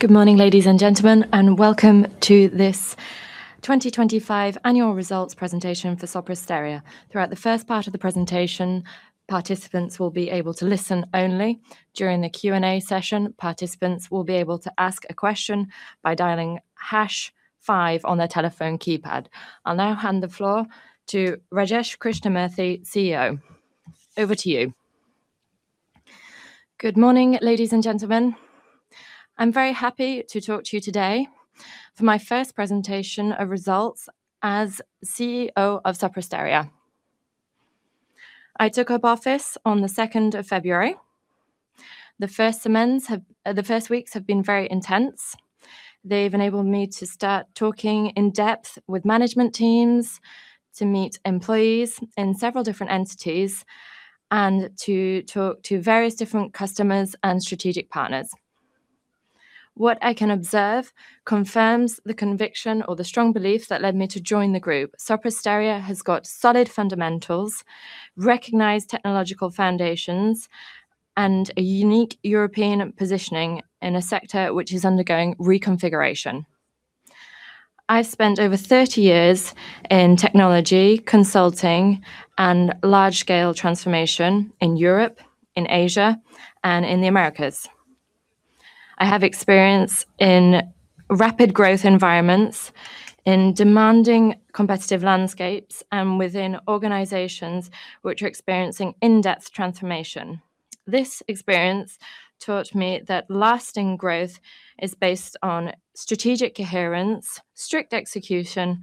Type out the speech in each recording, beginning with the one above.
Good morning, ladies and gentlemen, welcome to this 2025 annual results presentation for Sopra Steria. Throughout the first part of the presentation, participants will be able to listen only. During the Q&A session, participants will be able to ask a question by dialing hash five on their telephone keypad. I'll now hand the floor to Rajesh Krishnamurthy, CEO. Over to you. Good morning, ladies and gentlemen. I'm very happy to talk to you today for my first presentation of results as CEO of Sopra Steria. I took up office on the 2nd of February. The first weeks have been very intense. They've enabled me to start talking in depth with management teams, to meet employees in several different entities, and to talk to various different customers and strategic partners. What I can observe confirms the conviction or the strong belief that led me to join the group. Sopra Steria has got solid fundamentals, recognized technological foundations, and a unique European positioning in a sector which is undergoing reconfiguration. I've spent over 30 years in technology consulting and large-scale transformation in Europe, in Asia, and in the Americas. I have experience in rapid growth environments, in demanding competitive landscapes, and within organizations which are experiencing in-depth transformation. This experience taught me that lasting growth is based on strategic coherence, strict execution,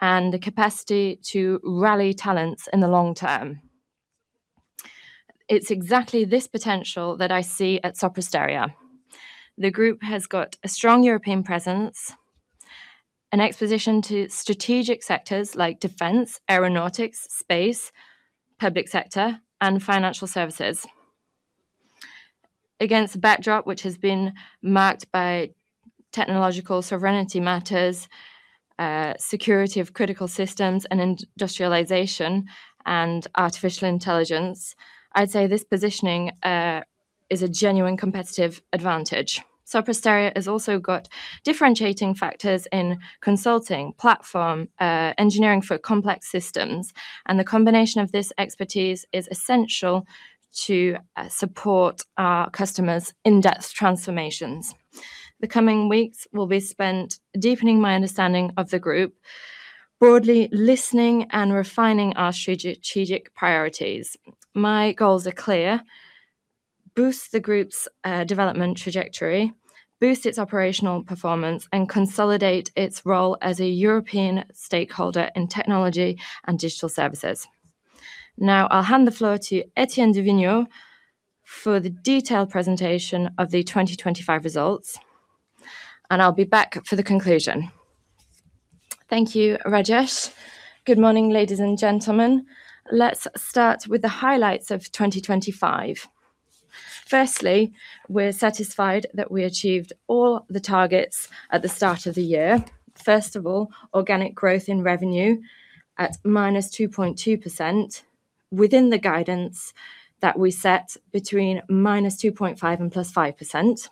and the capacity to rally talents in the long term. It's exactly this potential that I see at Sopra Steria. The group has got a strong European presence, an exposition to strategic sectors like defense, aeronautics, space, public sector, and financial services. Against a backdrop, which has been marked by technological sovereignty matters, security of critical systems and industrialization and artificial intelligence, I'd say this positioning is a genuine competitive advantage. Sopra Steria has also got differentiating factors in consulting, platform, engineering for complex systems, and the combination of this expertise is essential to support our customers' in-depth transformations. The coming weeks will be spent deepening my understanding of the group, broadly listening and refining our strategic priorities. My goals are clear: boost the group's development trajectory, boost its operational performance, and consolidate its role as a European stakeholder in technology and digital services. I'll hand the floor to Etienne du Vignaux for the detailed presentation of the 2025 results, and I'll be back for the conclusion. Thank you, Rajesh. Good morning, ladies and gentlemen. Let's start with the highlights of 2025. Firstly, we're satisfied that we achieved all the targets at the start of the year. First of all, organic growth in revenue at -2.2%, within the guidance that we set between -2.5% and +5%.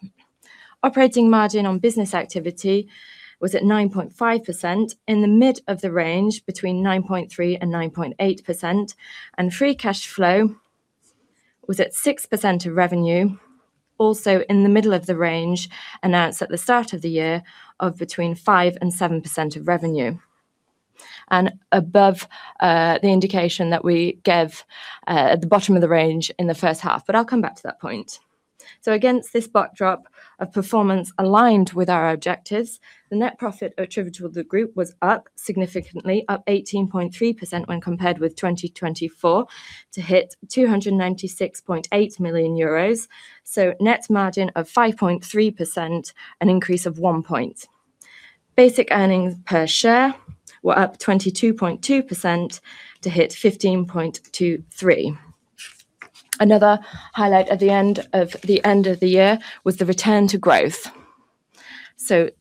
Operating margin on business activity was at 9.5% in the mid of the range, between 9.3% and 9.8%, and free cash flow was at 6% of revenue, also in the middle of the range, announced at the start of the year of between 5% and 7% of revenue. Above, the indication that we gave, at the bottom of the range in the first half. I'll come back to that point. Against this backdrop of performance aligned with our objectives, the net profit attributable to the group was up significantly, up 18.3% when compared with 2024, to hit 296.8 million euros, so net margin of 5.3%, an increase of one point. Basic earnings per share were up 22.2% to hit 15.23. Another highlight at the end of the year was the return to growth. Since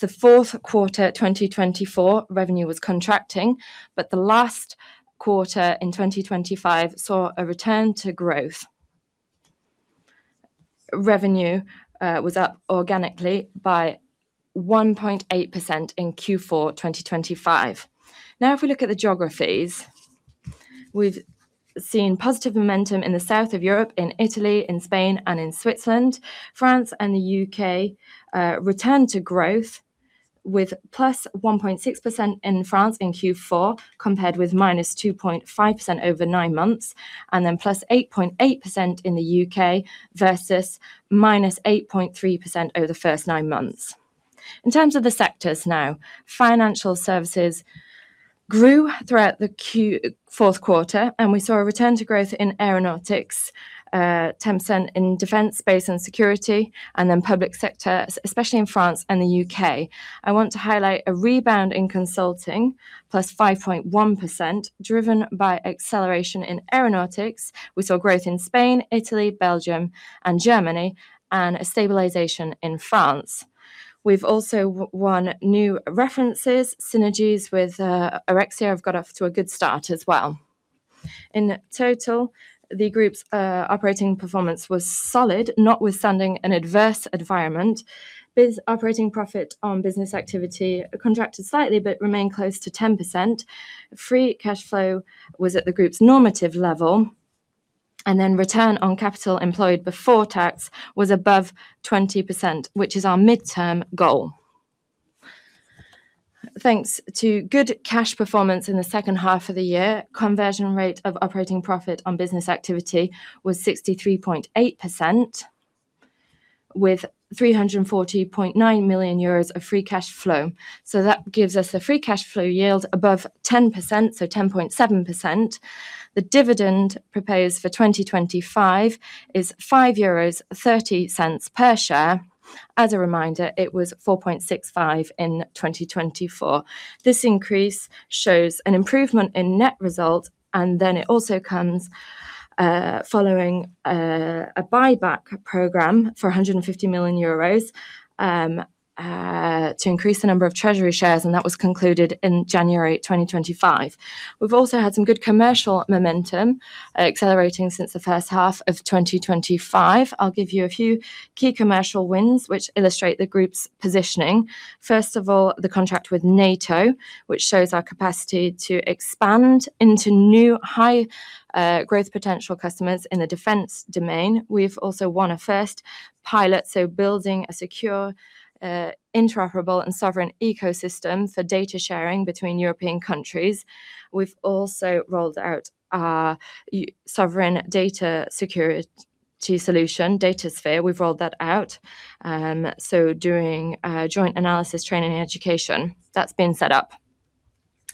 Q4 2024, revenue was contracting, but the last quarter in 2025 saw a return to growth. Revenue was up organically by 1.8% in Q4 2025. If we look at the geographies, we've seen positive momentum in the South of Europe, in Italy, in Spain, and in Switzerland. France and the UK returned to growth with +1.6% in France in Q4, compared with -2.5% over 9 months, and then +8.8% in the UK versus -8.3% over the first 9 months. In terms of the sectors now, financial services grew throughout the Q4, and we saw a return to growth in aeronautics, 10% in defense, space, and security, and then public sector, especially in France and the UK. I want to highlight a rebound in consulting, +5.1%, driven by acceleration in aeronautics. We saw growth in Spain, Italy, Belgium, and Germany, and a stabilization in France. We've also won new references, synergies with Aurexia have got off to a good start as well. In total, the group's operating performance was solid, notwithstanding an adverse environment. Operating profit on business activity contracted slightly, but remained close to 10%. Free cash flow was at the group's normative level, and then Return on capital employed before tax was above 20%, which is our midterm goal. Thanks to good cash performance in the second half of the year, conversion rate of Operating profit on business activity was 63.8%, with 340.9 million euros of Free cash flow. That gives us a Free cash flow yield above 10%, so 10.7%. The dividend proposed for 2025 is 5.30 euros per share. As a reminder, it was 4.65 in 2024. This increase shows an improvement in net result. It also comes following a buyback program for 150 million euros to increase the number of treasury shares, and that was concluded in January 2025. We've also had some good commercial momentum, accelerating since the first half of 2025. I'll give you a few key commercial wins, which illustrate the group's positioning. First of all, the contract with NATO, which shows our capacity to expand into new high growth potential customers in the defense domain. We've also won a first pilot, building a secure, interoperable and sovereign ecosystem for data sharing between European countries. We've also rolled out our sovereign data security solution, Datasphere. We've rolled that out. Doing joint analysis, training, and education, that's been set up.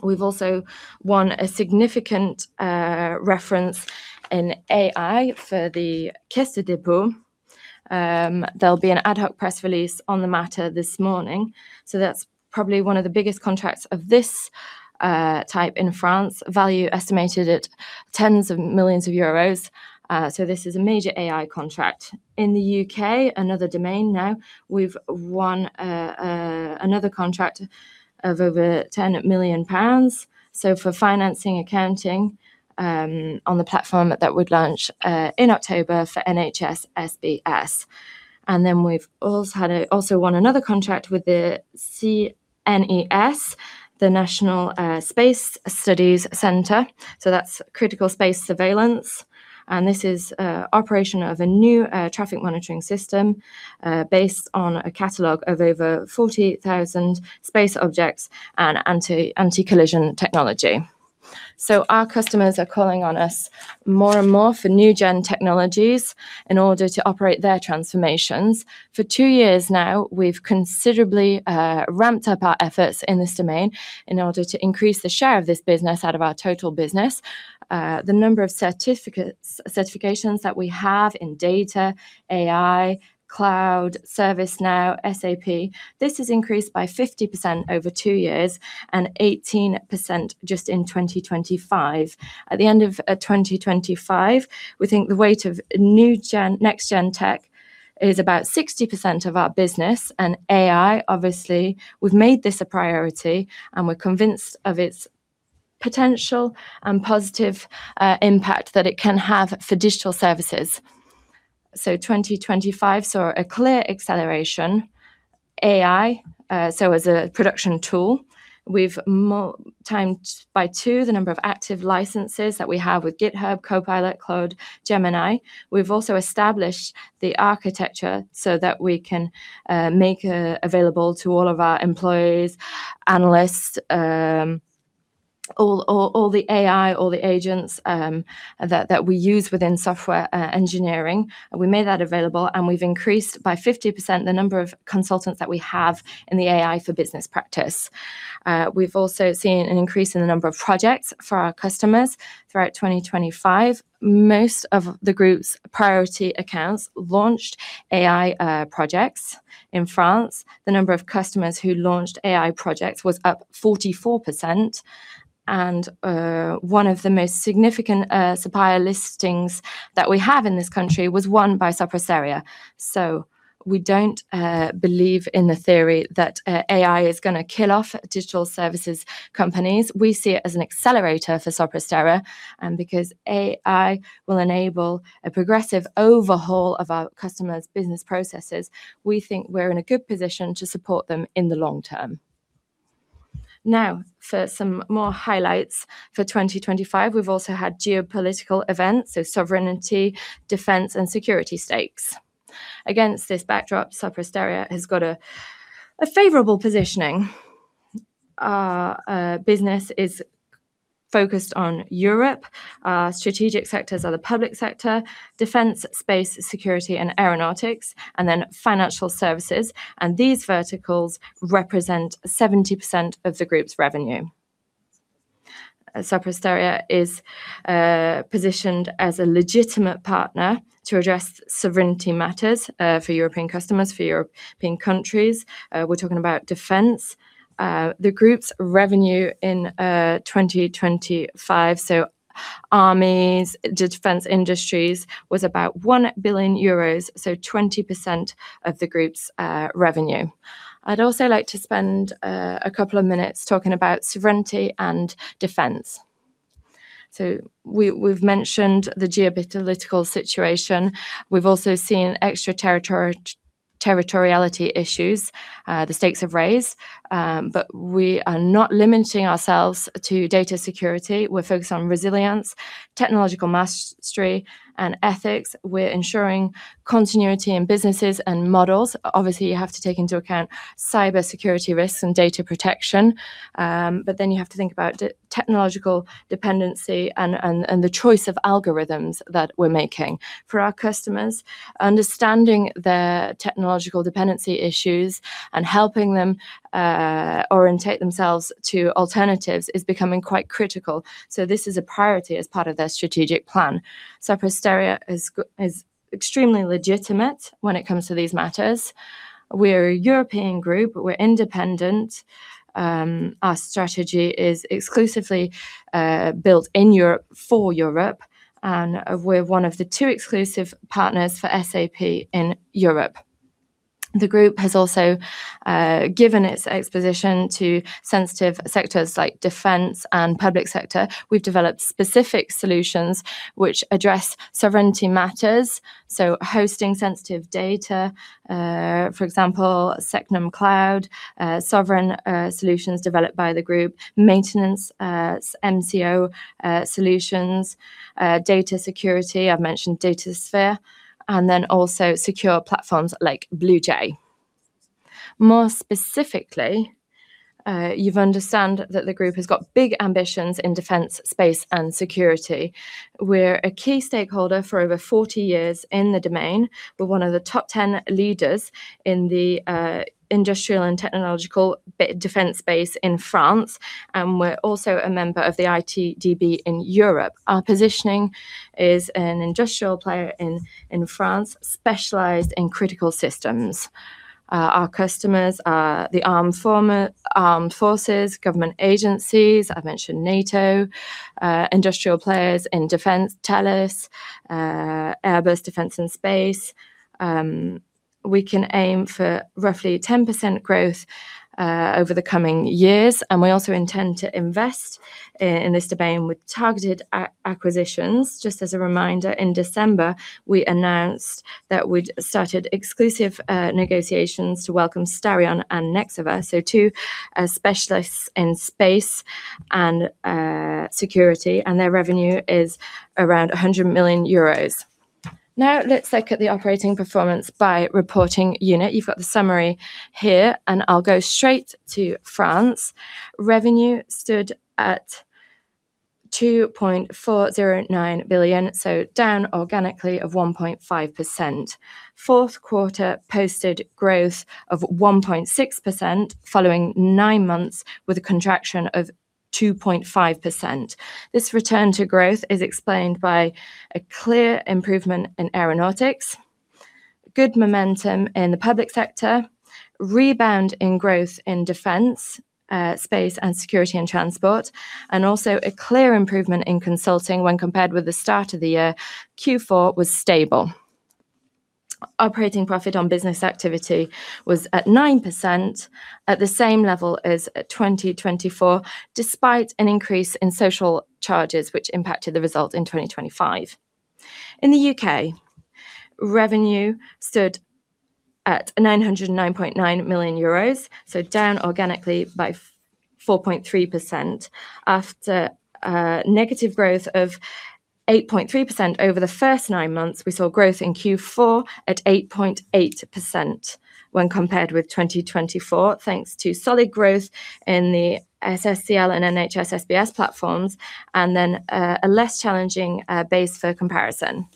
We've also won a significant reference in AI for the Caisse des Dépôts. There'll be an ad hoc press release on the matter this morning, that's probably one of the biggest contracts of this type in France. Value estimated at tens of millions of EUR, this is a major AI contract. In the UK, another domain now, we've won another contract of over 10 million pounds. For financing, accounting, on the platform that would launch in October for NHS SBS. We've also won another contract with the CNES, the National Space Studies Center. That's critical space surveillance, this is operation of a new traffic monitoring system based on a catalog of over 40,000 space objects and anti-collision technology. Our customers are calling on us more and more for new-gen technologies in order to operate their transformations. For 2 years now, we've considerably ramped up our efforts in this domain in order to increase the share of this business out of our total business. The number of certificates, certifications that we have in data, AI, Cloud, ServiceNow, SAP, this has increased by 50% over 2 years and 18% just in 2025. At the end of 2025, we think the weight of new-gen, next-gen tech is about 60% of our business and AI. Obviously, we've made this a priority, and we're convinced of its potential and positive impact that it can have for digital services. 2025 saw a clear acceleration. AI, as a production tool, we've more timed by 2 the number of active licenses that we have with GitHub Copilot, Cloud, Gemini. We've also established the architecture so that we can make available to all of our employees, analysts, all the AI, all the agents that we use within software engineering. We made that available, we've increased by 50% the number of consultants that we have in the AI for business practice. We've also seen an increase in the number of projects for our customers throughout 2025. Most of the group's priority accounts launched AI projects. In France, the number of customers who launched AI projects was up 44%, one of the most significant supplier listings that we have in this country was won by Sopra Steria. We don't believe in the theory that AI is gonna kill off digital services companies. We see it as an accelerator for Sopra Steria, and because AI will enable a progressive overhaul of our customers' business processes, we think we're in a good position to support them in the long term. Now, for some more highlights for 2025, we've also had geopolitical events, so sovereignty, defense, and security stakes. Against this backdrop, Sopra Steria has got a favorable positioning. Our business is focused on Europe. Our strategic sectors are the public sector, defense, space, security, and aeronautics, and then financial services. These verticals represent 70% of the group's revenue. Sopra Steria is positioned as a legitimate partner to address sovereignty matters for European customers, for European countries. We're talking about defense. The group's revenue in 2025, so armies, defense industries, was about 1 billion euros, so 20% of the group's revenue. I'd also like to spend a couple of minutes talking about sovereignty and defense. We've mentioned the geopolitical situation. We've also seen extra territoriality issues, the stakes have raised, but we are not limiting ourselves to data security. We're focused on resilience, technological mastery, and ethics. We're ensuring continuity in businesses and models. Obviously, you have to take into account cybersecurity risks and data protection, but then you have to think about technological dependency and the choice of algorithms that we're making. For our customers, understanding their technological dependency issues and helping them orientate themselves to alternatives is becoming quite critical. This is a priority as part of their strategic plan. Sopra Steria is extremely legitimate when it comes to these matters. We're a European group. We're independent. Our strategy is exclusively built in Europe for Europe. We're one of the two exclusive partners for SAP in Europe. The group has also given its exposition to sensitive sectors like defense and public sector. We've developed specific solutions which address sovereignty matters, so hosting sensitive data, for example, SecNumCloud, sovereign solutions developed by the group, maintenance, MCO solutions, data security, I've mentioned DataSphere, and then also secure platforms like BlueJay. More specifically, you've understand that the group has got big ambitions in defense, space, and security, where a key stakeholder for over 40 years in the domain. We're one of the top 10 leaders in the industrial and technological defense space in France, and we're also a member of the ITDB in Europe. Our positioning is an industrial player in France, specialized in critical systems. Our customers are the armed forces, government agencies, I've mentioned NATO, industrial players in defense, Thales, Airbus Defence and Space. We can aim for roughly 10% growth over the coming years, and we also intend to invest in this domain with targeted acquisitions. Just as a reminder, in December, we announced that we'd started exclusive negotiations to welcome Starion and Nexova, so two specialists in space and security, and their revenue is around 100 million euros. Let's look at the operating performance by reporting unit. You've got the summary here. I'll go straight to France. Revenue stood at 2.409 billion, down organically of 1.5%. Q4 posted growth of 1.6%, following nine months with a contraction of 2.5%. This return to growth is explained by a clear improvement in aeronautics, good momentum in the public sector, rebound in growth in defense, space and security and transport, also a clear improvement in consulting when compared with the start of the year. Q4 was stable. Operating profit on business activity was at 9%, at the same level as 2024, despite an increase in social charges, which impacted the result in 2025. In the U.K., revenue stood at 909.9 million euros, down organically by 4.3%. After a negative growth of 8.3% over the first 9 months, we saw growth in Q4 at 8.8% when compared with 2024, thanks to solid growth in the SSCL and NHS SBS platforms, a less challenging base for comparison.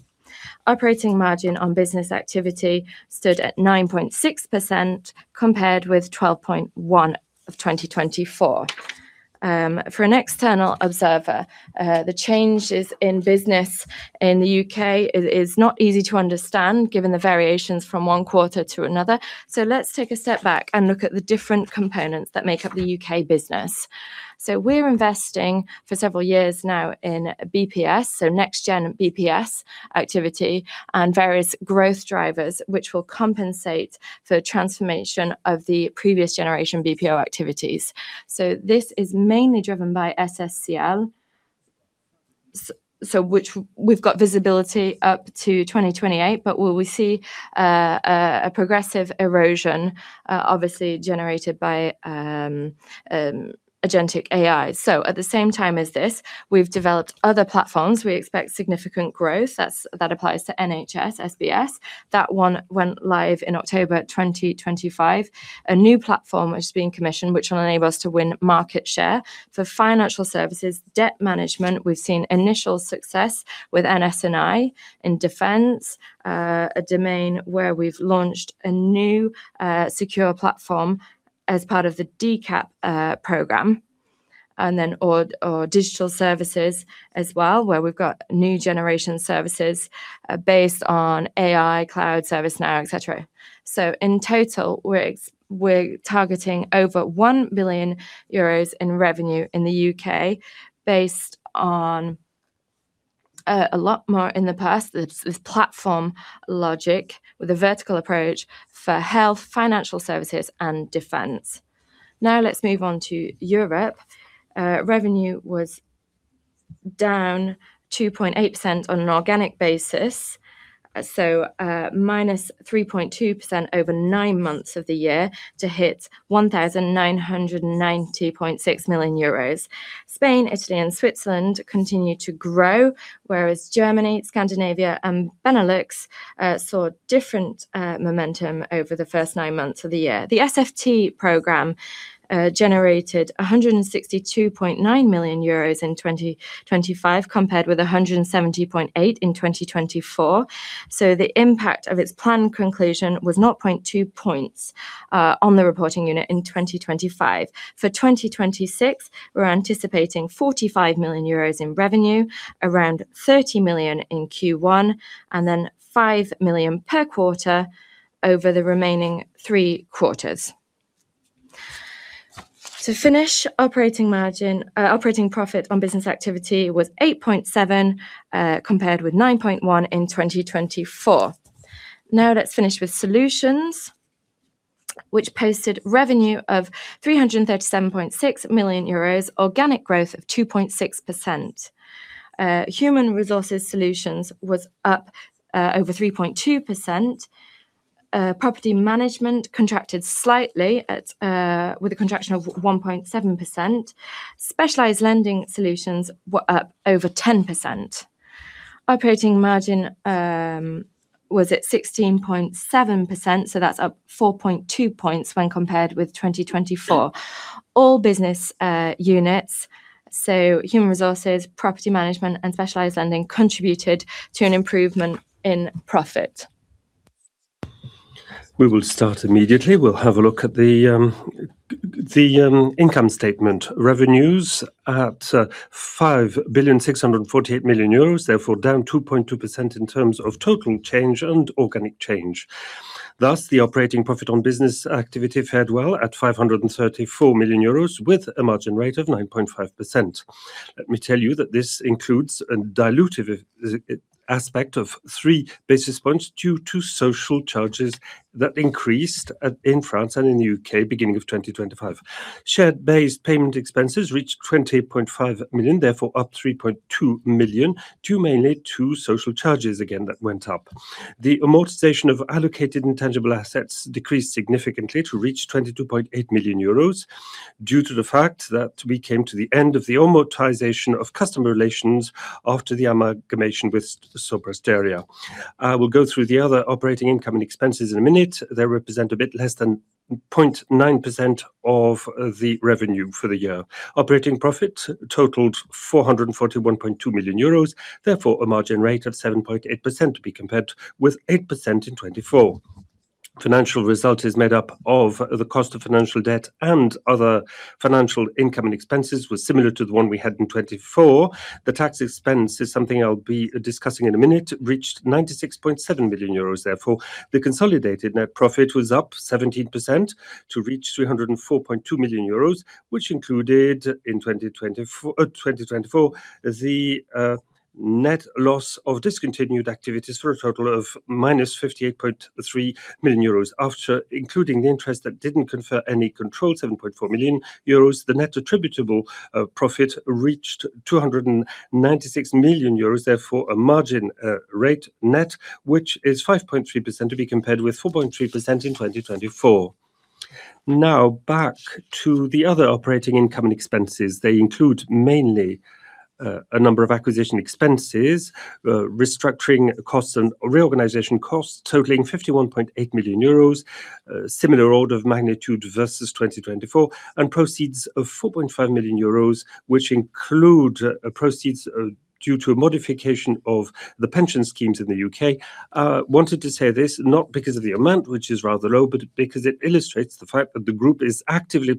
Operating margin on business activity stood at 9.6%, compared with 12.1% of 2024. For an external observer, the changes in business in the U.K. is not easy to understand, given the variations from one quarter to another. Let's take a step back and look at the different components that make up the U.K. business. We're investing for several years now in BPS, next-gen BPS activity and various growth drivers, which will compensate for the transformation of the previous generation BPO activities. This is mainly driven by SSCL, so which we've got visibility up to 2028, but will we see a progressive erosion, obviously generated by Agentic AI? At the same time as this, we've developed other platforms. We expect significant growth. That's, that applies to NHS SBS. That one went live in October 2025. A new platform, which is being commissioned, which will enable us to win market share. For financial services, debt management, we've seen initial success with NS&I in defense, a domain where we've launched a new secure platform as part of the DCAP program, and then or digital services as well, where we've got new generation services based on AI, cloud, ServiceNow, et cetera. In total, we're targeting over 1 billion euros in revenue in the U.K., based on-. a lot more in the past, this platform logic with a vertical approach for health, financial services, and defense. Let's move on to Europe. Revenue was down 2.8% on an organic basis, so -3.2% over 9 months of the year to hit 1,992.6 million euros. Spain, Italy, and Switzerland continued to grow, whereas Germany, Scandinavia, and Benelux saw different momentum over the first 9 months of the year. The SFT program generated 162.9 million euros in 2025, compared with 170.8 million in 2024. The impact of its planned conclusion was 0.2 points on the reporting unit in 2025. For 2026, we're anticipating 45 million euros in revenue, around 30 million in Q1, and then 5 million per quarter over the remaining three quarters. To finish, operating profit on business activity was 8.7%, compared with 9.1% in 2024. Let's finish with solutions, which posted revenue of 337.6 million euros, organic growth of 2.6%. Human resources solutions was up over 3.2%. Property management contracted slightly with a contraction of 1.7%. Specialized lending solutions were up over 10%. Operating margin was at 16.7%, so that's up 4.2 points when compared with 2024. All business units, so human resources, property management, and specialized lending, contributed to an improvement in profit. We will start immediately. We'll have a look at the income statement. Revenues at 5 billion 648 million, therefore down 2.2% in terms of total change and organic change. The operating profit on business activity fared well at 534 million euros with a margin rate of 9.5%. Let me tell you that this includes a dilutive aspect of 3 basis points due to social charges that increased in France and in the UK, beginning of 2025. Share-based payment expenses reached 20.5 million, therefore up 3.2 million, due mainly to social charges, again, that went up. The amortization of allocated intangible assets decreased significantly to reach 22.8 million euros due to the fact that we came to the end of the amortization of customer relations after the amalgamation with Sopra Steria. I will go through the other operating income and expenses in a minute. They represent a bit less than 0.9% of the revenue for the year. Operating profit totaled 441.2 million euros, therefore, a margin rate of 7.8% to be compared with 8% in 2024. Financial result is made up of the cost of financial debt and other financial income, and expenses were similar to the one we had in 2024. The tax expense is something I'll be discussing in a minute. It reached 96.7 million euros. Therefore, the consolidated net profit was up 17% to reach 304.2 million euros, which included, in 2024, the net loss of discontinued activities for a total of minus 58.3 million euros. After including the interest that didn't confer any control, 7.4 million euros, the net attributable profit reached 296 million euros, therefore, a margin rate net, which is 5.3%, to be compared with 4.3% in 2024. Now, back to the other operating income and expenses. They include mainly a number of acquisition expenses, restructuring costs, and reorganization costs totaling 51.8 million euros, similar order of magnitude versus 2024, and proceeds of 4.5 million euros, which include proceeds due to a modification of the pension schemes in the UK. Wanted to say this, not because of the amount, which is rather low, but because it illustrates the fact that the group is actively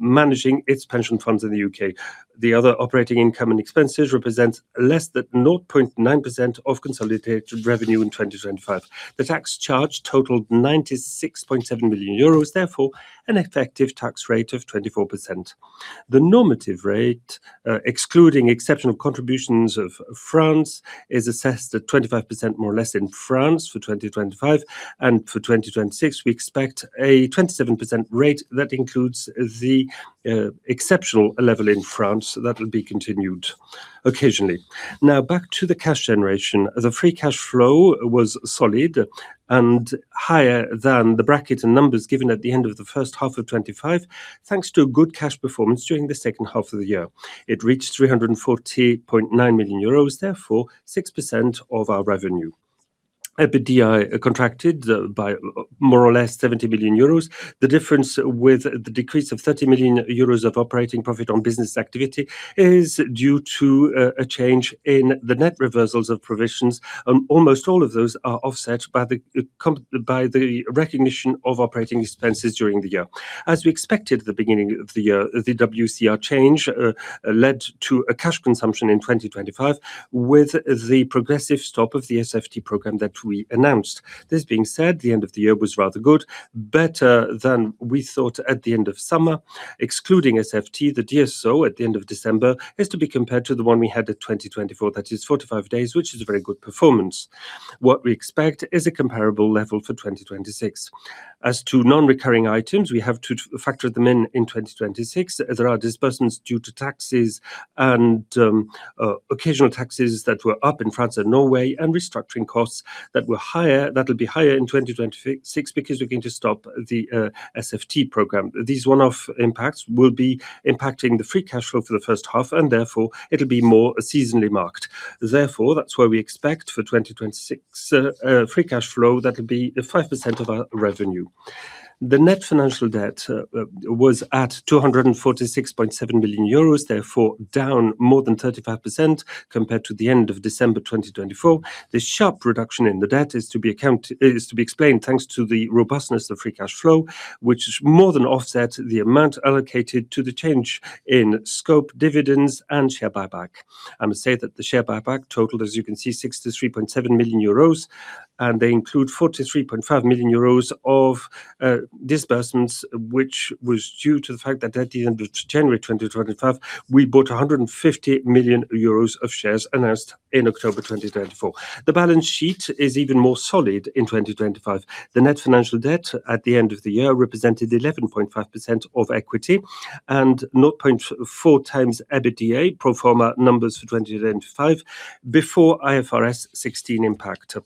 managing its pension funds in the UK. The other operating income and expenses represent less than 0.9% of consolidated revenue in 2025. The tax charge totaled 96.7 million euros, therefore, an effective tax rate of 24%. The normative rate, excluding exceptional contributions of France, is assessed at 25%, more or less, in France for 2025. For 2026, we expect a 27% rate that includes the exceptional level in France that will be continued occasionally. Now, back to the cash generation. The free cash flow was solid and higher than the bracket and numbers given at the end of the first half of 2025, thanks to a good cash performance during the second half of the year. It reached 340.9 million euros, therefore, 6% of our revenue. EBITDA contracted by more or less 70 million euros. The difference with the decrease of 30 million euros of operating profit on business activity is due to a change in the net reversals of provisions, and almost all of those are offset by the recognition of operating expenses during the year. As we expected at the beginning of the year, the WCR change led to a cash consumption in 2025, with the progressive stop of the SFT program that we announced. This being said, the end of the year was rather good, better than we thought at the end of summer. Excluding SFT, the DSO at the end of December, is to be compared to the one we had at 2024. That is 45 days, which is a very good performance. What we expect is a comparable level for 2026. As to non-recurring items, we have to factor them in in 2026. There are disbursements due to taxes and occasional taxes that were up in France and Norway, and restructuring costs that will be higher in 2026 because we're going to stop the SFT program. These one-off impacts will be impacting the free cash flow for the first half, and therefore, it'll be more seasonally marked. Therefore, that's why we expect for 2026 a free cash flow that will be at 5% of our revenue. The net financial debt was at 246.7 billion euros, therefore, down more than 35% compared to the end of December 2024. The sharp reduction in the debt is to be explained, thanks to the robustness of free cash flow, which more than offsets the amount allocated to the change in scope, dividends, and share buyback. I must say that the share buyback totaled, as you can see, 63.7 million euros, and they include 43.5 million euros of disbursements, which was due to the fact that at the end of January 2025, we bought 150 million euros of shares announced in October 2024. The balance sheet is even more solid in 2025. The net financial debt at the end of the year represented 11.5% of equity and 0.4 times EBITDA pro forma numbers for 2025 before IFRS 16 impact.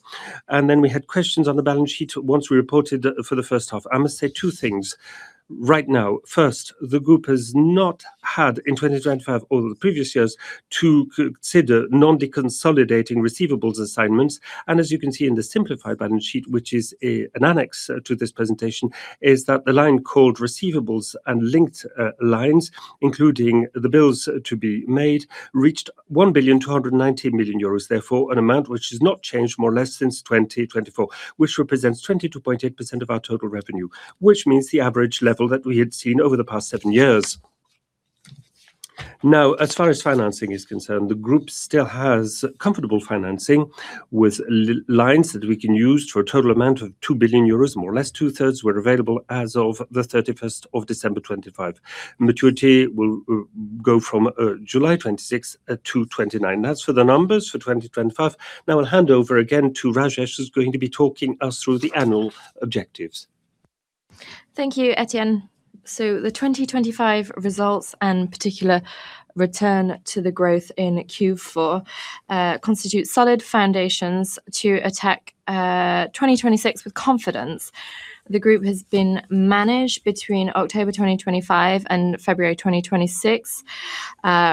We had questions on the balance sheet once we reported for the first half. I must say two things right now. First, the group has not had, in 2025 or the previous years, to consider non-deconsolidating receivables assignments. As you can see in the simplified balance sheet, which is a, an annex to this presentation, is that the line called Receivables and linked lines, including the bills to be made, reached 1.29 billion, therefore, an amount which has not changed more or less since 2024, which represents 22.8% of our total revenue, which means the average level that we had seen over the past seven years. As far as financing is concerned, the group still has comfortable financing with lines that we can use for a total amount of 2 billion euros, more or less two-thirds were available as of the 31st of December 2025. Maturity will go from July 2026 to 2029. That's for the numbers for 2025. I'll hand over again to Rajesh, who's going to be talking us through the annual objectives. Thank you, Etienne. The 2025 results and particular return to the growth in Q4 constitute solid foundations to attack 2026 with confidence. The group has been managed between October 2025 and February 2026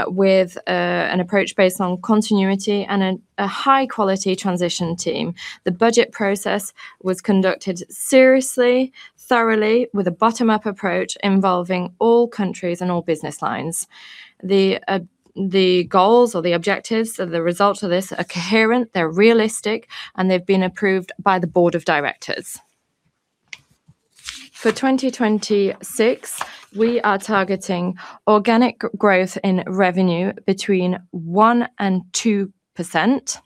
with an approach based on continuity and a high-quality transition team. The budget process was conducted seriously, thoroughly, with a bottom-up approach involving all countries and all business lines. The goals or the objectives of the result of this are coherent, they're realistic, and they've been approved by the board of directors. For 2026, we are targeting organic growth in revenue between 1% and 2%.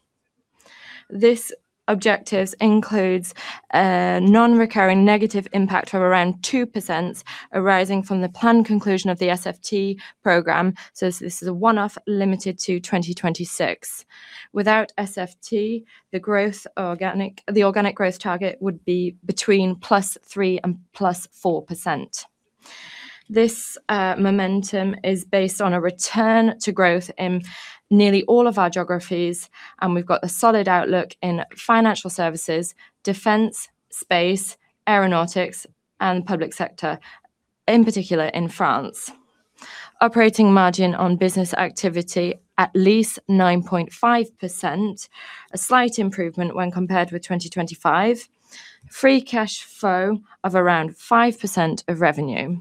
This objectives includes non-recurring negative impact of around 2%, arising from the planned conclusion of the SFT program. This is a one-off limited to 2026. Without SFT, the growth organic... the organic growth target would be between +3% and +4%. This momentum is based on a return to growth in nearly all of our geographies, and we've got a solid outlook in financial services, defense, space, aeronautics, and public sector, in particular in France. Operating margin on business activity at least 9.5%, a slight improvement when compared with 2025. Free cash flow of around 5% of revenue.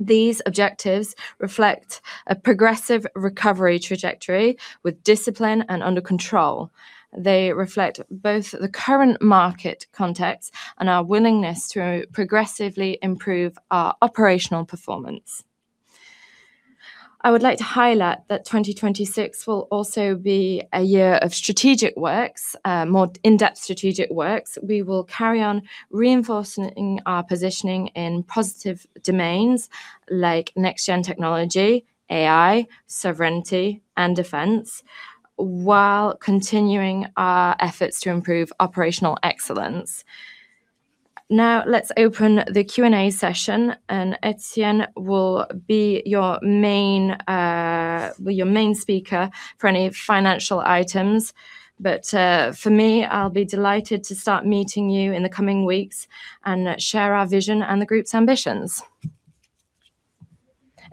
These objectives reflect a progressive recovery trajectory with discipline and under control. They reflect both the current market context and our willingness to progressively improve our operational performance. I would like to highlight that 2026 will also be a year of strategic works, more in-depth strategic works. We will carry on reinforcing our positioning in positive domains like next-gen technology, AI, sovereignty, and defense, while continuing our efforts to improve operational excellence. Let's open the Q&A session. Etienne will be your main speaker for any financial items. For me, I'll be delighted to start meeting you in the coming weeks and share our vision and the group's ambitions.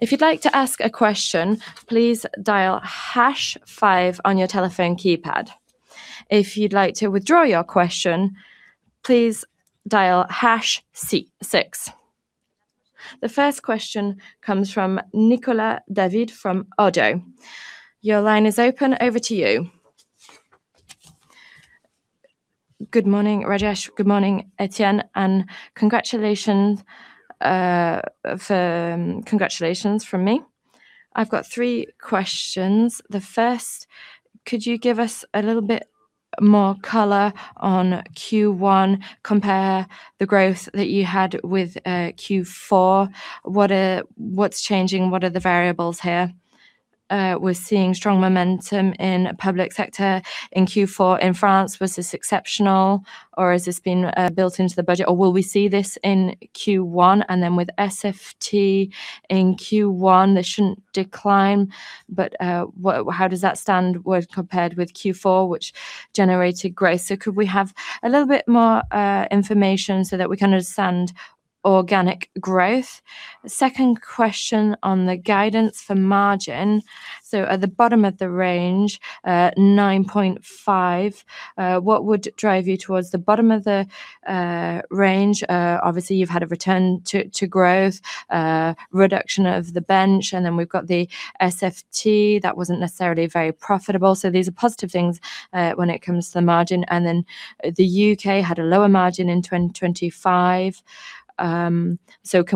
If you'd like to ask a question, please dial #5 on your telephone keypad. If you'd like to withdraw your question, please dial #6. The first question comes from Nicolas David from ODDO BHF. Your line is open. Over to you. Good morning, Rajesh. Good morning, Etienne, Congratulations from me. I've got 3 questions. The first, could you give us a little bit more color on Q1, compare the growth that you had with Q4? What's changing? What are the variables here? We're seeing strong momentum in public sector in Q4 in France. Was this exceptional, or has this been built into the budget, or will we see this in Q1? With SFT in Q1, this shouldn't decline, but how does that stand with compared with Q4, which generated growth? Could we have a little bit more information so that we can understand organic growth? Second question on the guidance for margin. At the bottom of the range, 9.5%, what would drive you towards the bottom of the range? Obviously, you've had a return to growth, reduction of the bench, and then we've got the SFT. That wasn't necessarily very profitable. These are positive things when it comes to the margin, the U.K. had a lower margin in 2025. Can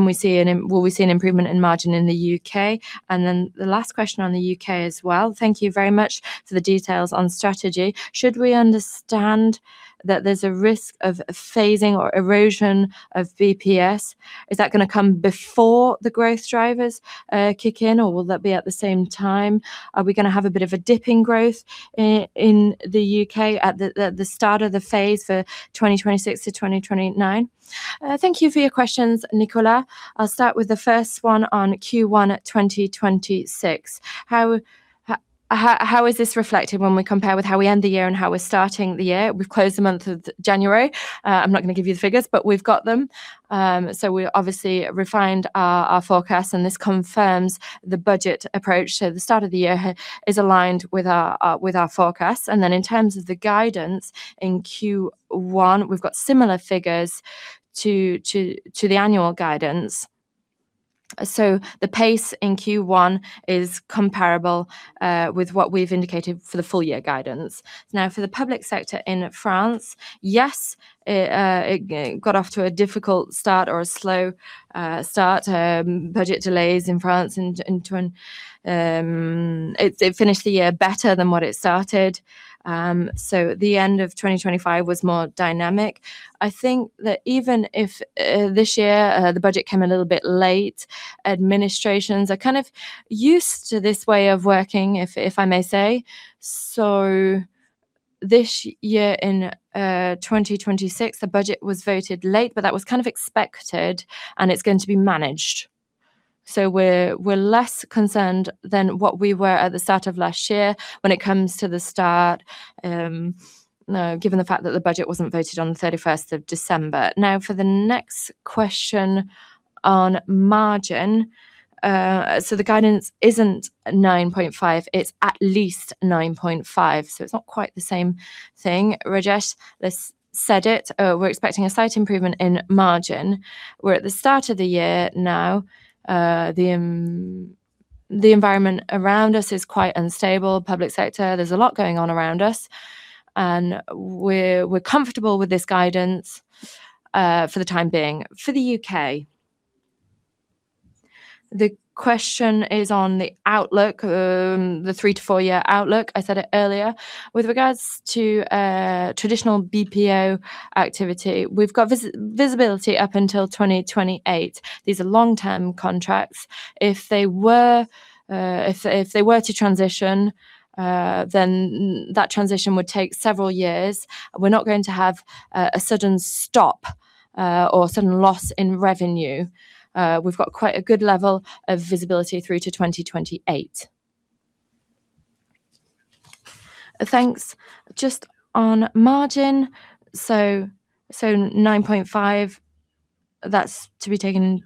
we see an improvement in margin in the UK? The last question on the UK as well. Thank you very much for the details on strategy. Should we understand that there's a risk of phasing or erosion of VPS? Is that gonna come before the growth drivers kick in, or will that be at the same time? Are we gonna have a bit of a dip in growth in the UK at the start of the phase for 2026 to 2029? Thank you for your questions, Nicolas. I'll start with the first one on Q1 2026. How is this reflected when we compare with how we end the year and how we're starting the year? We've closed the month of January. I'm not gonna give you the figures, we've got them. We obviously refined our forecast, this confirms the budget approach. The start of the year is aligned with our forecast. In terms of the guidance in Q1, we've got similar figures to the annual guidance. The pace in Q1 is comparable with what we've indicated for the full year guidance. For the public sector in France, yes, it got off to a difficult start or a slow start, budget delays in France. It finished the year better than what it started. The end of 2025 was more dynamic. I think that even if this year the budget came a little bit late, administrations are kind of used to this way of working, if I may say. This year, in 2026, the budget was voted late, but that was kind of expected, and it's going to be managed. We're less concerned than what we were at the start of last year when it comes to the start, given the fact that the budget wasn't voted on the 31st of December. Now, for the next question on margin, the guidance isn't 9.5, it's at least 9.5, it's not quite the same thing. Rajesh has said it, we're expecting a slight improvement in margin. We're at the start of the year now. The environment around us is quite unstable. Public sector, there's a lot going on around us, we're comfortable with this guidance for the time being. For the U.K., the question is on the outlook, the three to four-year outlook. I said it earlier. With regards to traditional BPO activity, we've got visibility up until 2028. These are long-term contracts. If they were, if they were to transition, that transition would take several years. We're not going to have a sudden stop or sudden loss in revenue. We've got quite a good level of visibility through to 2028. Thanks. Just on margin, so 9.5%, that's to be taken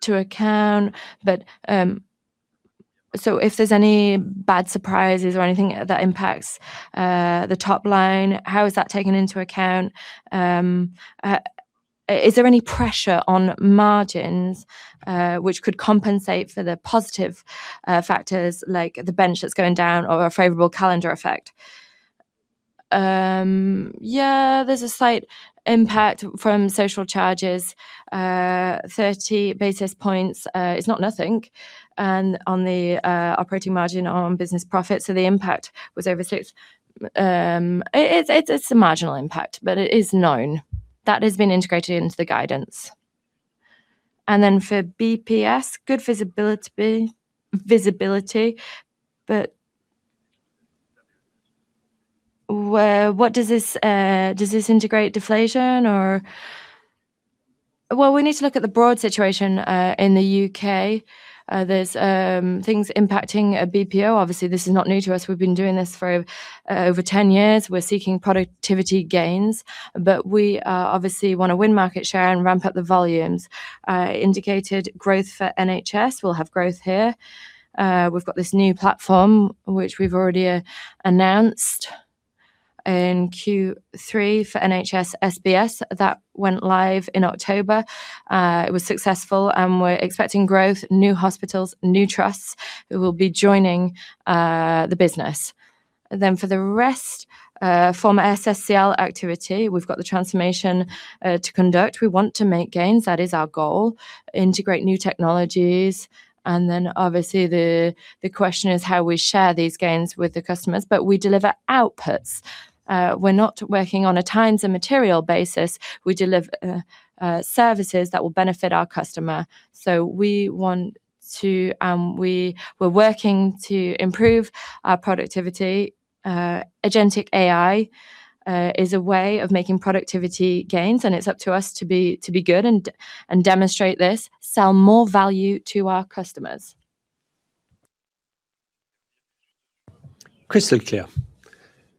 into account. If there's any bad surprises or anything that impacts the top line, how is that taken into account? Is there any pressure on margins, which could compensate for the positive factors like the bench that's going down or a favorable calendar effect? Yeah, there's a slight impact from social charges, 30 basis points. It's not nothing, and on the operating margin on business profits, the impact was over six. It's a marginal impact, but it is known. That has been integrated into the guidance. For BPS, good visibility, but what does this, does this integrate deflation or...? Well, we need to look at the broad situation in the UK. There's things impacting BPO. Obviously, this is not new to us. We've been doing this for over 10 years. We're seeking productivity gains, but we obviously, wanna win market share and ramp up the volumes. Indicated growth for NHS, we'll have growth here. We've got this new platform, which we've already announced in Q3 for NHS SBS, that went live in October. It was successful, and we're expecting growth, new hospitals, new trusts, who will be joining the business. For the rest, former SSCL activity, we've got the transformation to conduct. We want to make gains. That is our goal, integrate new technologies, and then, obviously, the question is how we share these gains with the customers, but we deliver outputs. We're not working on a times and material basis. We deliver services that will benefit our customer. We want to, we're working to improve our productivity. Agentic AI is a way of making productivity gains, and it's up to us to be, to be good and demonstrate this, sell more value to our customers. Crystal clear.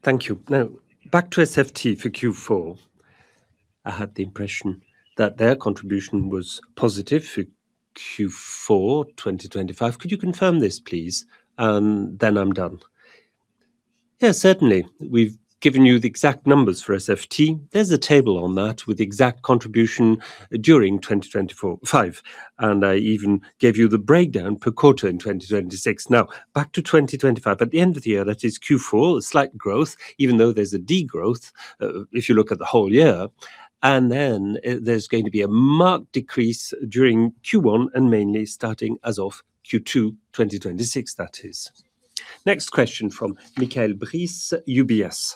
Thank you. Back to SFT for Q4. I had the impression that their contribution was positive for Q4 2025. Could you confirm this, please? I'm done. Yes, certainly. We've given you the exact numbers for SFT. There's a table on that with the exact contribution during 2024-2025, and I even gave you the breakdown per quarter in 2026. Back to 2025, at the end of the year, that is Q4, a slight growth, even though there's a degrowth, if you look at the whole year, and then there's going to be a marked decrease during Q1 and mainly starting as of Q2 2026, that is. Next question from Michael Briest, UBS.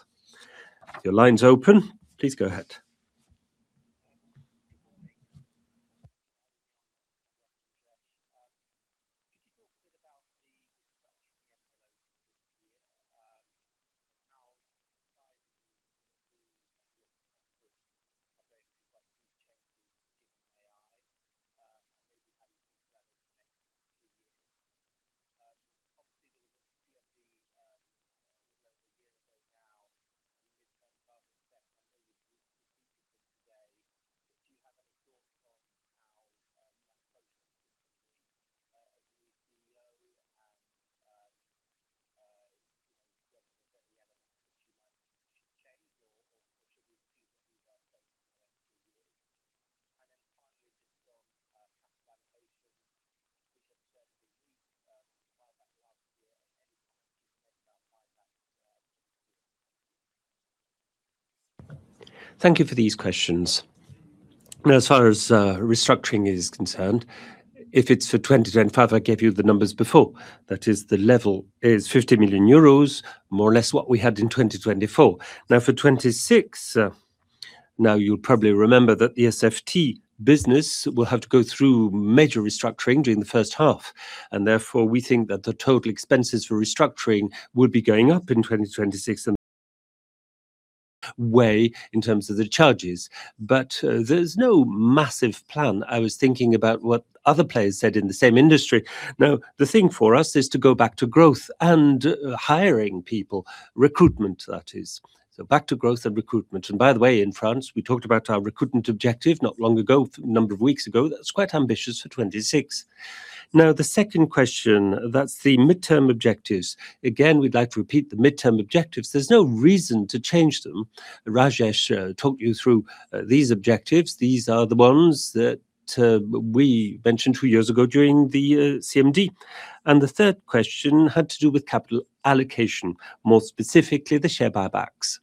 Your line's open. Please go ahead. and... way in terms of the charges, but there's no massive plan. I was thinking about what other players said in the same industry. The thing for us is to go back to growth and hiring people, recruitment, that is. Back to growth and recruitment. By the way, in France, we talked about our recruitment objective not long ago, a number of weeks ago. That's quite ambitious for 2026. The second question, that's the midterm objectives. Again, we'd like to repeat the midterm objectives. There's no reason to change them. Rajesh talked you through these objectives. These are the ones that we mentioned 2 years ago during the CMD. The third question had to do with capital allocation, more specifically, the share buybacks.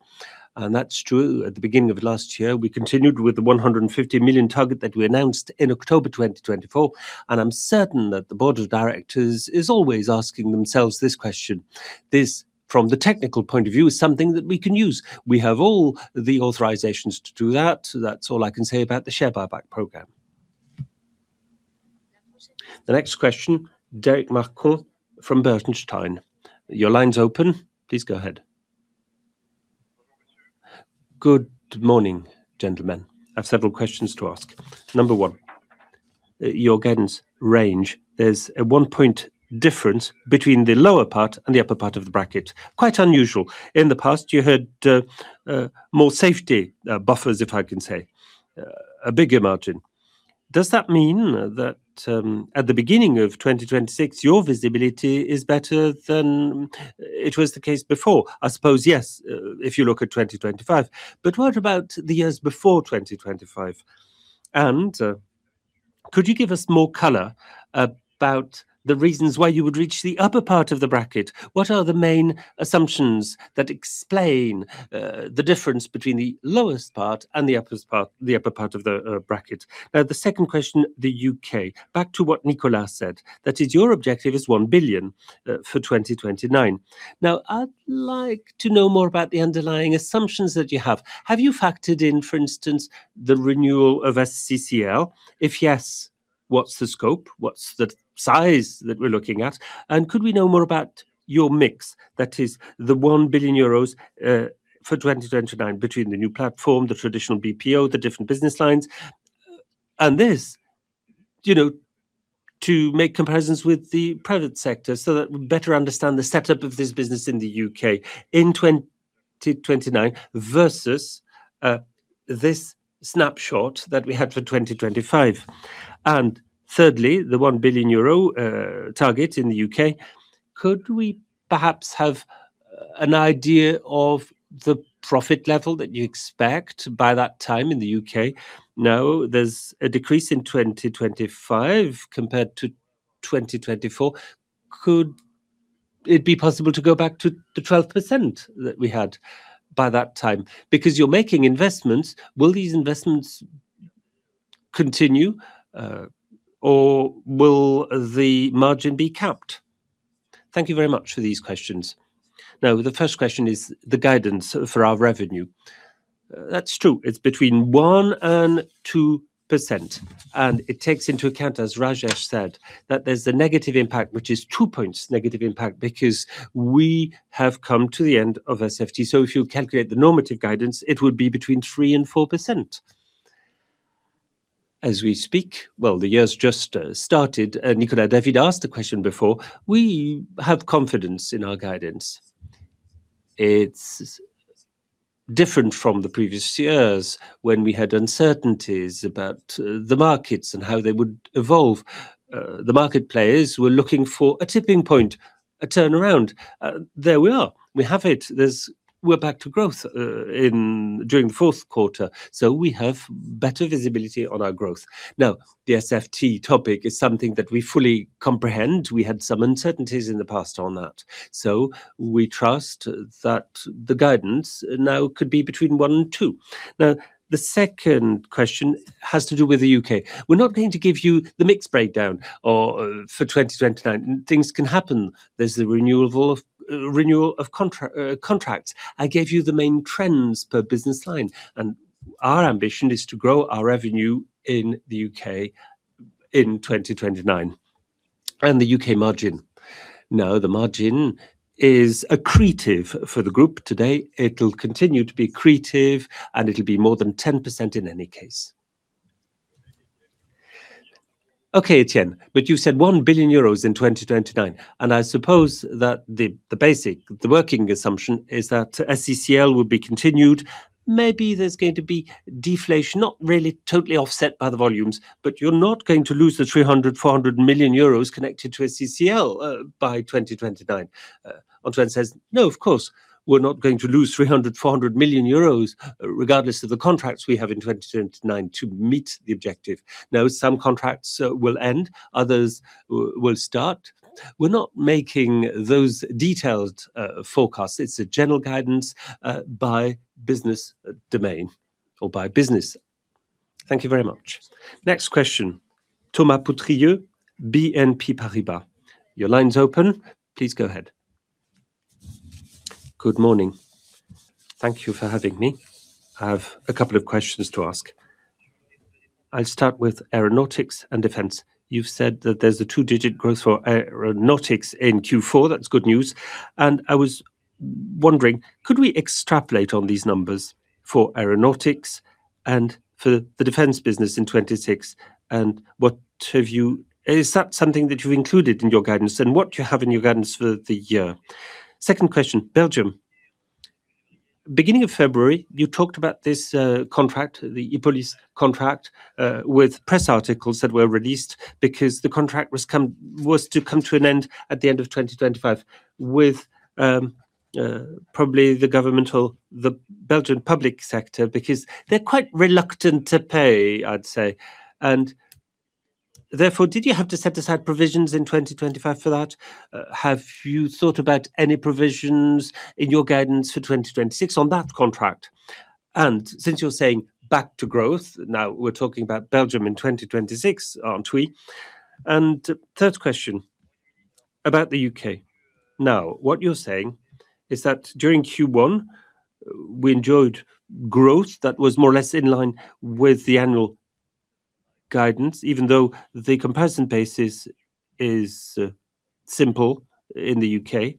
That's true. At the beginning of last year, we continued with the 150 million target that we announced in October 2024, and I'm certain that the board of directors is always asking themselves this question. This, from the technical point of view, is something that we can use. We have all the authorizations to do that. That's all I can say about the share buyback program. The next question, Derric Marcon from Bernstein. Your line's open. Please go ahead. Good morning, gentlemen. I have several questions to ask. Number 1, your guidance range, there's a 1 point difference between the lower part and the upper part of the bracket. Quite unusual. In the past, you had more safety buffers, if I can say, a bigger margin. Does that mean that at the beginning of 2026, your visibility is better than it was the case before? I suppose, yes, if you look at 2025. What about the years before 2025? Could you give us more color about the reasons why you would reach the upper part of the bracket? What are the main assumptions that explain the difference between the lowest part and the upper part of the bracket? The second question, the U.K. Back to what Nicolas said, that is, your objective is 1 billion for 2029. I'd like to know more about the underlying assumptions that you have. Have you factored in, for instance, the renewal of SCCL? If yes, what's the scope? What's the size that we're looking at? Could we know more about your mix? That is the 1 billion euros for 2029 between the new platform, the traditional BPO, the different business lines? This, you know, to make comparisons with the private sector so that we better understand the setup of this business in the UK in 2029 versus this snapshot that we had for 2025. Thirdly, the 1 billion euro target in the UK, could we perhaps have an idea of the profit level that you expect by that time in the UK? There's a decrease in 2025 compared to 2024. Could it be possible to go back to the 12% that we had by that time? You're making investments, will these investments continue, or will the margin be capped? Thank you very much for these questions. The first question is the guidance for our revenue. That's true, it's between 1% and 2%, and it takes into account, as Rajesh said, that there's a negative impact, which is 2 points negative impact, because we have come to the end of SFT. If you calculate the normative guidance, it would be between 3% and 4%. As we speak, well, the year's just started, Nicolas David asked the question before, we have confidence in our guidance. It's different from the previous years when we had uncertainties about the markets and how they would evolve. The market players were looking for a tipping point, a turnaround. There we are. We have it. We're back to growth during the Q4, we have better visibility on our growth. The SFT topic is something that we fully comprehend. We had some uncertainties in the past on that, we trust that the guidance now could be between 1 and 2. The second question has to do with the UK. We're not going to give you the mix breakdown or for 2029, things can happen. There's the renewal of contracts. I gave you the main trends per business line, our ambition is to grow our revenue in the UK in 2029. The U.K. margin. Now, the margin is accretive for the group today. It'll continue to be accretive, and it'll be more than 10% in any case. Okay, Etienne, you said 1 billion euros in 2029, I suppose that the basic working assumption is that SCCL will be continued. Maybe there's going to be deflation, not really totally offset by the volumes, you're not going to lose the 300-400 million euros connected to SCCL by 2029. Antoine says, "No, of course, we're not going to lose 300-400 million euros, regardless of the contracts we have in 2029 to meet the objective." Now, some contracts will end, others will start. We're not making those detailed forecasts. It's a general guidance by business domain or by business. Thank you very much. Next question, Thomas Poutrieux, BNP Paribas. Your line's open. Please go ahead. Good morning. Thank you for having me. I have a couple of questions to ask. I'll start with aeronautics and defense. You've said that there's a 2-digit growth for aeronautics in Q4. That's good news, and I was wondering, could we extrapolate on these numbers for aeronautics and for the defense business in 2026? Is that something that you've included in your guidance, and what do you have in your guidance for the year? Second question, Belgium. Beginning of February, you talked about this contract, the e-Polis contract, with press articles that were released because the contract was to come to an end at the end of 2025, with probably the governmental, the Belgian public sector, because they're quite reluctant to pay, I'd say. Therefore, did you have to set aside provisions in 2025 for that? Have you thought about any provisions in your guidance for 2026 on that contract? Since you're saying back to growth, now we're talking about Belgium in 2026, aren't we? Third question, about the U.K. Now, what you're saying is that during Q1, we enjoyed growth that was more or less in line with the annual guidance, even though the comparison base is simple in the U.K.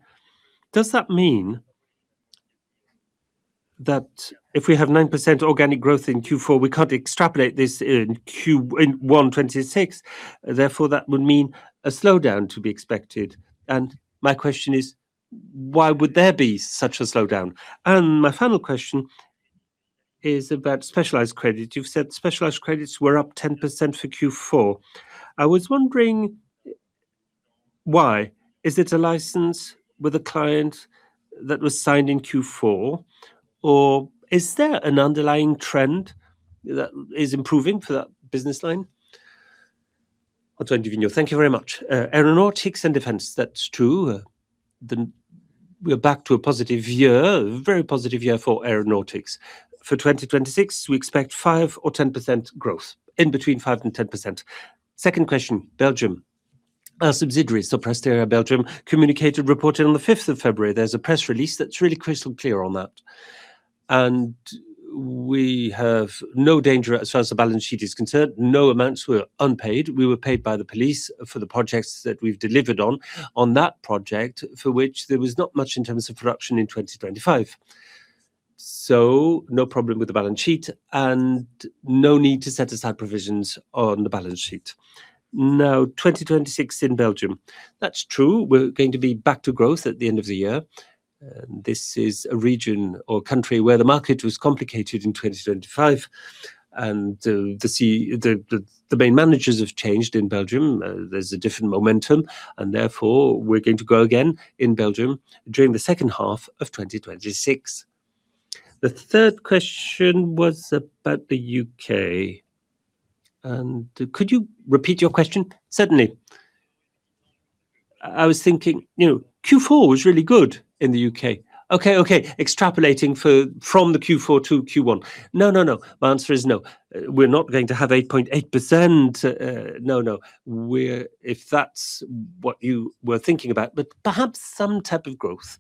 Does that mean that if we have 9% organic growth in Q4, we can't extrapolate this in Q1 2026, therefore, that would mean a slowdown to be expected, and my question is: Why would there be such a slowdown? My final question is about specialized credit. You've said specialized credits were up 10% for Q4. I was wondering, why? Is it a license with a client that was signed in Q4, or is there an underlying trend that is improving for that business line? Antoine Vivant, thank you very much. Aeronautics and defense, that's true. We are back to a positive year, a very positive year for aeronautics. For 2026, we expect 5% or 10% growth, in between 5% and 10%. Second question, Belgium. Our subsidiary, Sopra Steria Belgium, communicated reporting on the 5th of February. There's a press release that's really crystal clear on that, and we have no danger as far as the balance sheet is concerned. No amounts were unpaid. We were paid by the police for the projects that we've delivered on that project, for which there was not much in terms of production in 2025.... No problem with the balance sheet, and no need to set aside provisions on the balance sheet. 2026 in Belgium, that's true. We're going to be back to growth at the end of the year. This is a region or country where the market was complicated in 2025, the main managers have changed in Belgium. There's a different momentum, and therefore, we're going to grow again in Belgium during the second half of 2026. The third question was about the UK. Could you repeat your question? Certainly. I was thinking, you know, Q4 was really good in the UK. Okay, extrapolating from the Q4 to Q1. No, no. My answer is no. We're not going to have 8.8%. No, no. If that's what you were thinking about, perhaps some type of growth.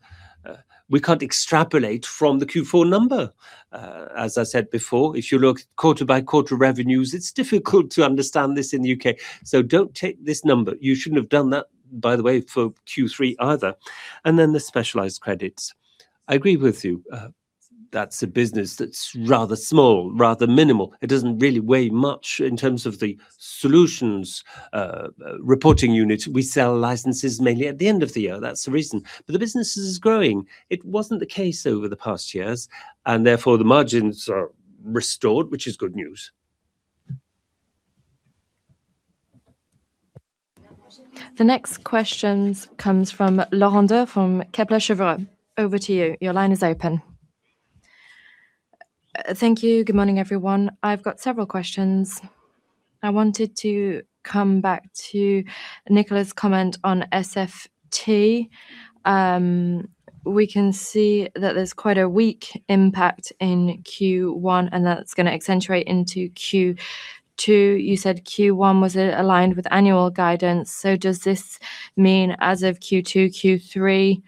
We can't extrapolate from the Q4 number. As I said before, if you look quarter-by-quarter revenues, it's difficult to understand this in the UK. Don't take this number. You shouldn't have done that, by the way, for Q3 either. The specialized credits. I agree with you. That's a business that's rather small, rather minimal. It doesn't really weigh much in terms of the solutions, reporting unit. We sell licenses mainly at the end of the year. That's the reason. The business is growing. It wasn't the case over the past years, therefore the margins are restored, which is good news. The next questions comes from Laurent Daure, from Kepler Cheuvreux. Over to you. Your line is open. Thank you. Good morning, everyone. I've got several questions. I wanted to come back to Nicolas David's comment on SFT. We can see that there's quite a weak impact in Q1, and that's going to accentuate into Q2. You said Q1 was aligned with annual guidance, does this mean as of Q2, Q3,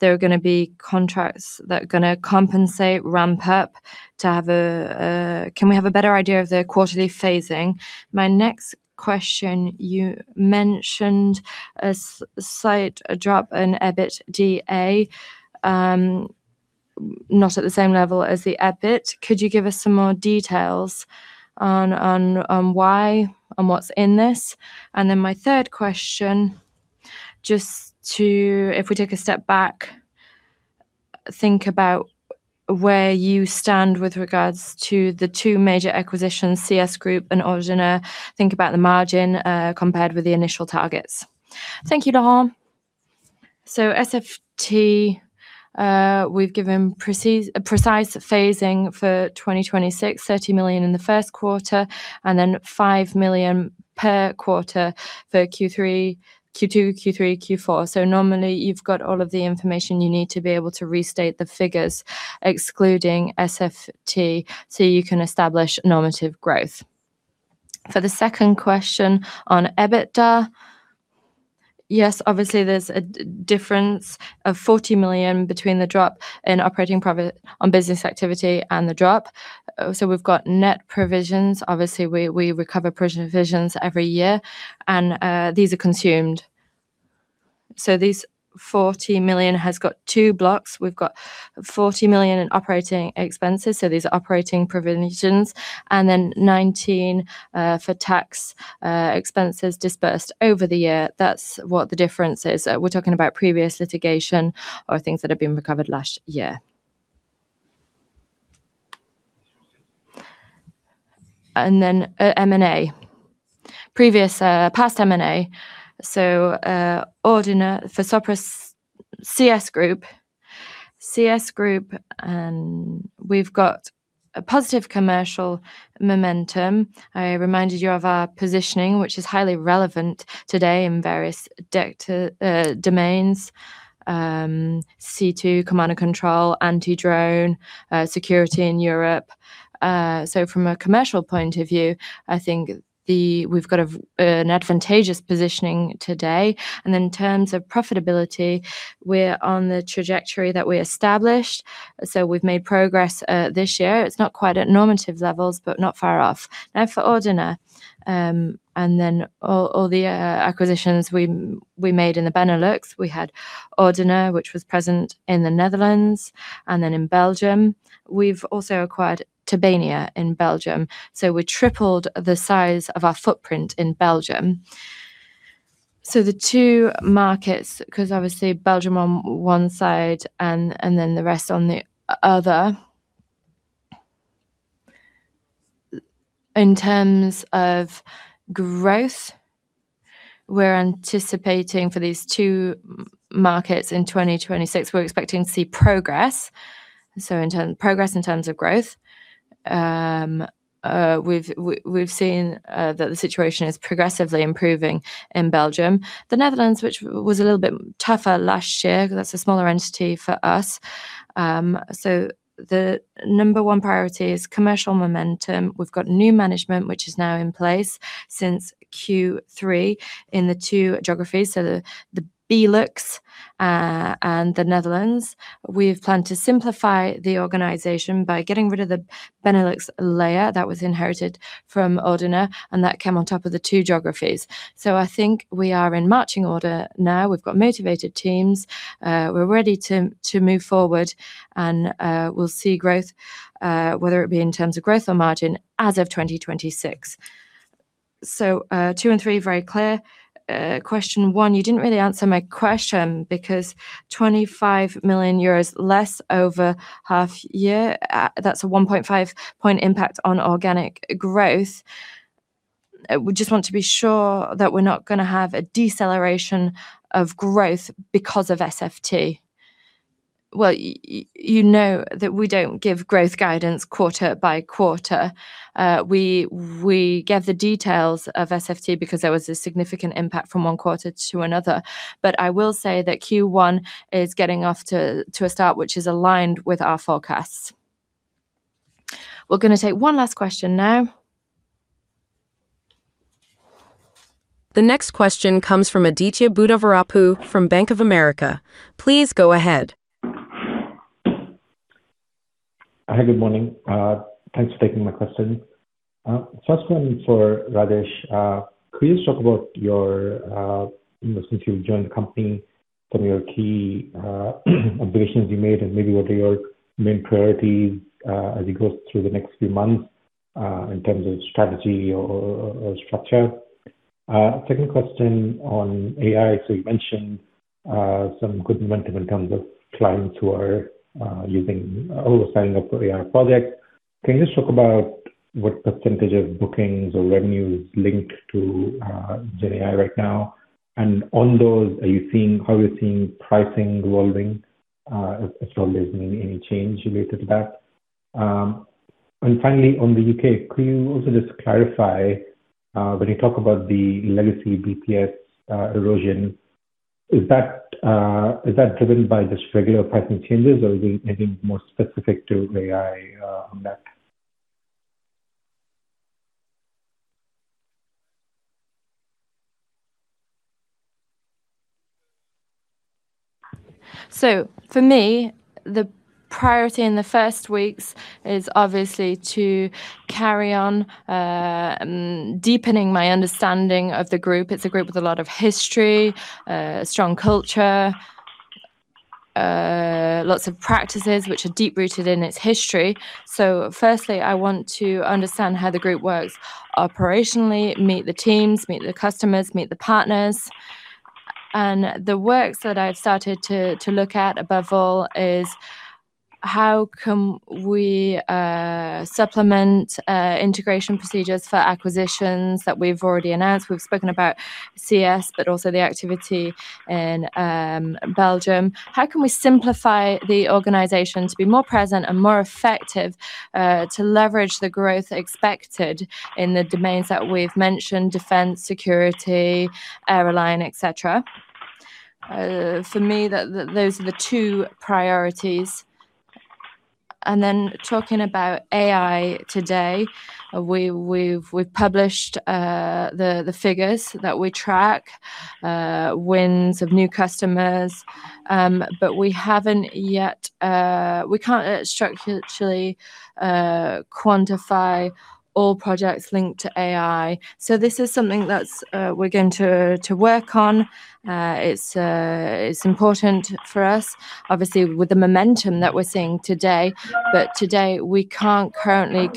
there are going to be contracts that are going to compensate, ramp up? Can we have a better idea of the quarterly phasing? My next question, you mentioned a slight drop in EBITDA, not at the same level as the EBIT. Could you give us some more details on why and what's in this? My third question, if we take a step back, think about where you stand with regards to the two major acquisitions, CS Group and Ordina. Think about the margin compared with the initial targets. Thank you, Laurent Daure. SFT, we've given precise phasing for 2026, 30 million in the Q1, and then 5 million per quarter for Q3, Q2, Q3, Q4. Normally, you've got all of the information you need to be able to restate the figures, excluding SFT, so you can establish normative growth. For the second question on EBITDA, yes, obviously, there's a difference of 40 million between the drop in operating profit on business activity and the drop. We've got net provisions. Obviously, we recover provisions every year, and these are consumed. This 40 million has got two blocks. We've got 40 million in operating expenses, so these are operating provisions. 19 for tax expenses disbursed over the year. That's what the difference is. We're talking about previous litigation or things that have been recovered last year. M&A. Previous past M&A, so Ordina, for Sopra CS Group. CS Group. We've got a positive commercial momentum. I reminded you of our positioning, which is highly relevant today in various sector domains, C2, command and control, anti-drone, security in Europe. From a commercial point of view, I think we've got an advantageous positioning today, and then in terms of profitability, we're on the trajectory that we established. We've made progress this year. It's not quite at normative levels, but not far off. For Ordina, all the acquisitions we made in the Benelux, we had Ordina, which was present in the Netherlands and then in Belgium. We've also acquired Tobania in Belgium, we tripled the size of our footprint in Belgium. The two markets, 'cause obviously, Belgium on one side and then the rest on the other. In terms of growth, we're anticipating for these two markets in 2026, we're expecting to see progress. Progress in terms of growth. We've seen that the situation is progressively improving in Belgium. The Netherlands, which was a little bit tougher last year, that's a smaller entity for us. The number one priority is commercial momentum. We've got new management, which is now in place since Q3 in the two geographies, so the BeLux and the Netherlands. We've planned to simplify the organization by getting rid of the Benelux layer that was inherited from Ordina, and that came on top of the two geographies. I think we are in marching order now. We've got motivated teams. We're ready to move forward and we'll see growth, whether it be in terms of growth or margin as of 2026. Two and three, very clear. Question one, you didn't really answer my question, because 25 million euros less over half year, that's a 1.5 point impact on organic growth. We just want to be sure that we're not gonna have a deceleration of growth because of SFT. Well, you know that we don't give growth guidance quarter-by-quarter. we gave the details of SFT because there was a significant impact from 1 quarter to another. I will say that Q1 is getting off to a start, which is aligned with our forecasts. We're gonna take 1 last question now. The next question comes from Aditya Buddhavarapu from Bank of America. Please go ahead. Hi, good morning. Thanks for taking my question. First one for Rajesh. Could you just talk about your, you know, since you've joined the company, some of your key observations you made, and maybe what are your main priorities as you go through the next few months in terms of strategy or structure? 2nd question on AI. You mentioned some good momentum in terms of clients who are using or signing up for AI project. Can you just talk about what % of bookings or revenue is linked to GenAI right now? On those, how are you seeing pricing evolving as long as any change related to that? Finally, on the UK, could you also just clarify, when you talk about the legacy BPS erosion, is that driven by just regular pricing changes, or is it anything more specific to AI on that? For me, the priority in the first weeks is obviously to carry on deepening my understanding of the group. It's a group with a lot of history, a strong culture, lots of practices which are deep-rooted in its history. Firstly, I want to understand how the group works operationally, meet the teams, meet the customers, meet the partners. The works that I've started to look at above all is: how can we supplement integration procedures for acquisitions that we've already announced? We've spoken about CS, but also the activity in Belgium. How can we simplify the organization to be more present and more effective to leverage the growth expected in the domains that we've mentioned, defense, security, airline, et cetera? For me, those are the two priorities. Talking about AI today, we've published the figures that we track, wins of new customers. We can't structurally quantify all projects linked to AI. This is something that we're going to work on. It's important for us, obviously, with the momentum that we're seeing today. Today, we can't currently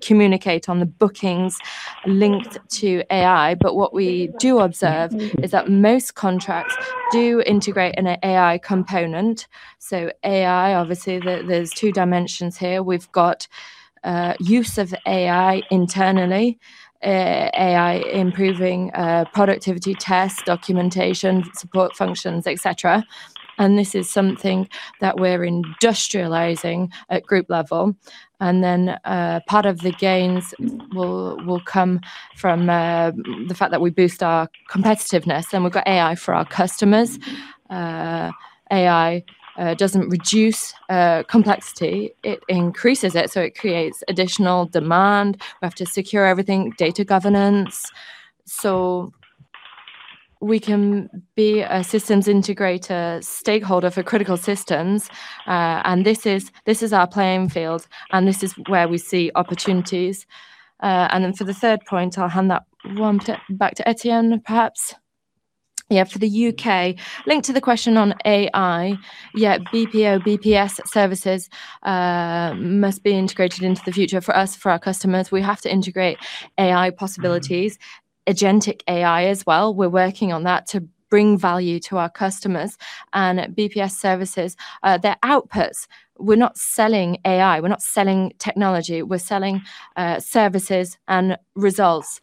communicate on the bookings linked to AI. What we do observe is that most contracts do integrate an AI component. AI, obviously, there's two dimensions here. We've got use of AI internally, AI improving productivity, tasks, documentation, support functions, et cetera. This is something that we're industrializing at group level. Part of the gains will come from the fact that we boost our competitiveness, and we've got AI for our customers. AI doesn't reduce complexity, it increases it, so it creates additional demand. We have to secure everything, data governance, so we can be a systems integrator stakeholder for critical systems. This is our playing field, and this is where we see opportunities. For the third point, I'll hand that one back to Etienne, perhaps. For the UK, linked to the question on AI, BPO, BPS services must be integrated into the future for us, for our customers. We have to integrate AI possibilities, Agentic AI as well. We're working on that to bring value to our customers. BPS services, their outputs, we're not selling AI, we're not selling technology, we're selling services and results.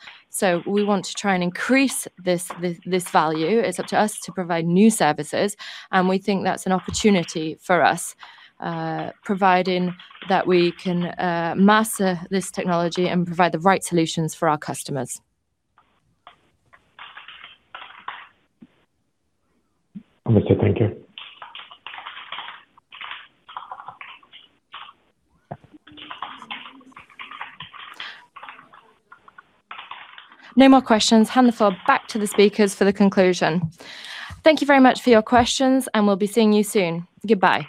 We want to try and increase this value. It's up to us to provide new services, and we think that's an opportunity for us, providing that we can master this technology and provide the right solutions for our customers. Okay, thank you. No more questions. Hand the floor back to the speakers for the conclusion. Thank you very much for your questions, and we'll be seeing you soon. Goodbye.